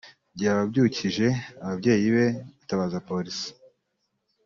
byababyukije ; ababyeyi be batabaza Polisi